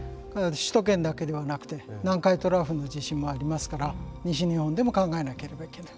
首都圏だけではなくて南海トラフの地震もありますから西日本でも考えなければいけない。